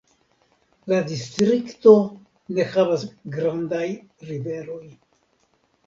La distrikto ne havas grandaj riveroj.